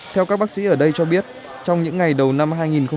theo các bác sĩ ở đây cho biết trong những ngày đầu năm hai nghìn hai mươi